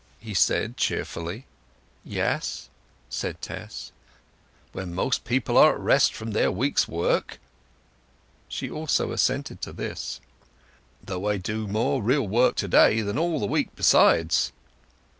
he said cheerfully. "Yes," said Tess. "When most people are at rest from their week's work." She also assented to this. "Though I do more real work to day than all the week besides."